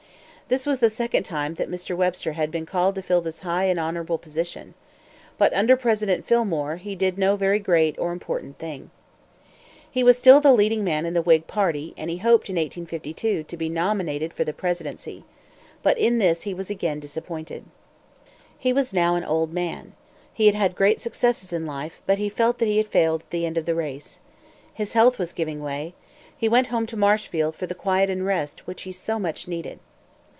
This was the second time that Mr. Webster had been called to fill this high and honorable position. But, under President Fillmore, he did no very great or important thing. He was still the leading man in the Whig party; and he hoped, in 1852, to be nominated for the presidency. But in this he was again disappointed. He was now an old man. He had had great successes in life; but he felt that he had failed at the end of the race. His health was giving way. He went home to Marshfield for the quiet and rest which he so much needed.